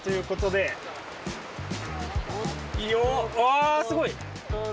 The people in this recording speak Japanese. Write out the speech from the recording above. あすごい。